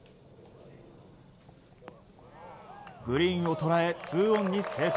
グリーンを捉え２オンに成功。